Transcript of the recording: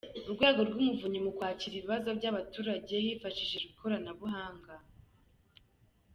Urwego rw’Umuvunyi mu kwakira ibibazo by’abaturage hifashishijwe ikoranabuhanga